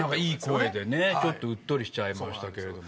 いい声でちょっとうっとりしちゃいました。